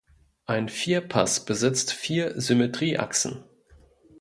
Ein Vierpass besitzt vier Symmetrieachsen.